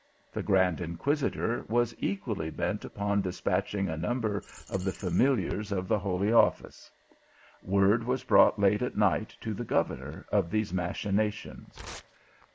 The grand Inquisitor was equally bent upon despatching a number of the fa miliars of the holy office. Word was brought late at night to the governor, of these machinations.